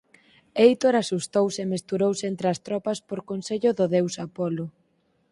Heitor asustouse e mesturouse entre as tropas por consello do deus Apolo.